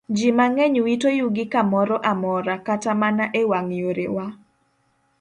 Ji mang'eny wito yugi kamoro amora, kata mana e wang' yorewa.